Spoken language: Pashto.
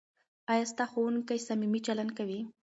ایا ستا ښوونکی صمیمي چلند کوي؟